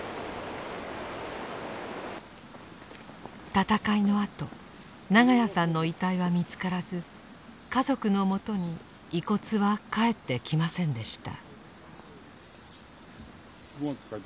戦いのあと長屋さんの遺体は見つからず家族のもとに遺骨は還ってきませんでした。